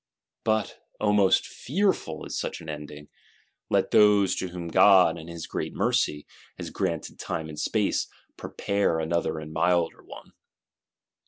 But, O most fearful is such an ending! Let those, to whom God, in His great mercy, has granted time and space, prepare another and milder one.